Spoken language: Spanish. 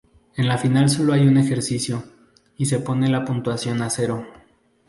En la final solo hay un ejercicio y se pone la puntuación a cero.